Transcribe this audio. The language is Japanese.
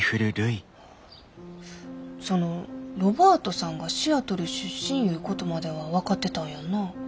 そのロバートさんがシアトル出身いうことまでは分かってたんやんな？